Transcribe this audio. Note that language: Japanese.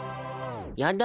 やだ